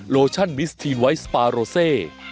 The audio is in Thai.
โลชั่นมิสทีนไวท์สปาโรเซ